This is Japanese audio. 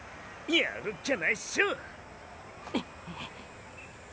やるっきゃないっショ！